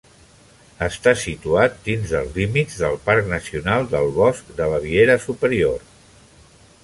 Està situat dins dels límits del "Parc Nacional del Bosc de Baviera Superior".